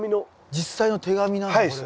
実際の手紙なんだこれが。